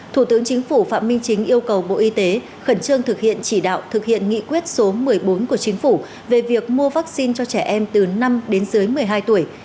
thủ tướng chính phủ phạm minh chính yêu cầu bộ y tế khẩn trương thực hiện chỉ đạo thực hiện nghị quyết số một mươi bốn của chính phủ về việc mua vaccine cho trẻ em từ năm đến dưới một mươi hai tuổi